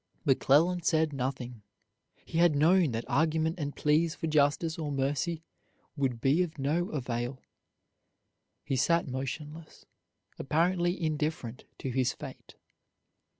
McClellan said nothing. He had known that argument and pleas for justice or mercy would be of no avail. He sat motionless, apparently indifferent to his fate.